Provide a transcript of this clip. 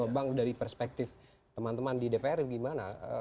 bang dari perspektif teman teman di dpr gimana